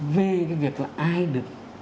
về cái việc là ai được